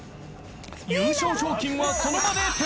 ［優勝賞金はその場で手渡し］